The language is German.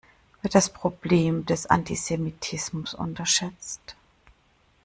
Wird das Problem des Antisemitismus unterschätzt?